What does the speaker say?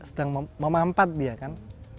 sedang memampat dia kan